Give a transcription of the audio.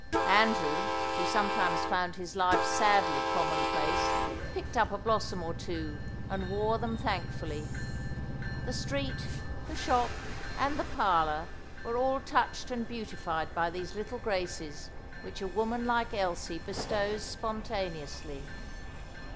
Andrew, who sometimes found his life sadly commonplace, picked up a blossom or two, and wore them thankfully. The street, the shop, and the parlour were all touched and beautified by these little graces which a woman like Elsie bestows spontaneously.